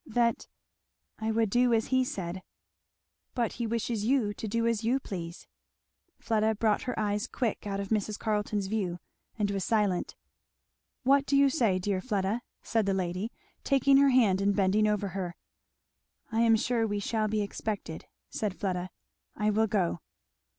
"That I would do as he said." "But he wishes you to do as you please." Fleda brought her eyes quick out of Mrs. Carleton's view, and was silent. "What do you say, dear Fleda?" said the lady, taking her hand and bending over her. "I am sure we shall be expected," said Fleda. "I will go."